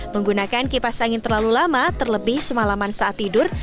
menggunakan kipas angin terlalu lama terlebih semalaman saat tidur